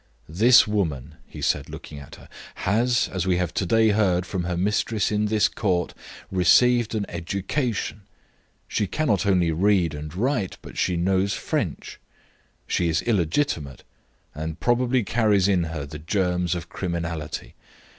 "This woman," he said, looking at her, "has, as we have to day heard from her mistress in this court, received an education; she cannot only read and write, but she knows French; she is illegitimate, and probably carries in her the germs of criminality.